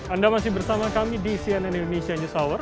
anda masih bersama kami di cnn indonesia news hour